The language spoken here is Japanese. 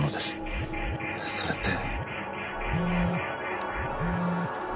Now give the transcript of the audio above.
それって？